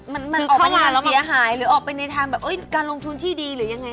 มันออกมาเสียหายหรือออกไปในทางแบบการลงทุนที่ดีหรือยังไง